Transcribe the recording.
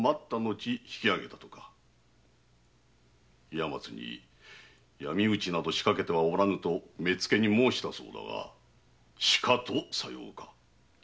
岩松に闇討ちなど仕掛けてはおらぬと目付に申したそうだがしかとさようか？